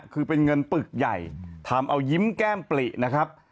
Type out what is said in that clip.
คือเป็นเงินปึกใหญ่ทำเอายิ้มแก้มปลินะครับ